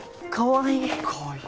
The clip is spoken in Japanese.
かわいい。